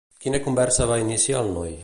Quina conversa va iniciar el noi?